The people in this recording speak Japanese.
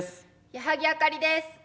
矢作あかりです。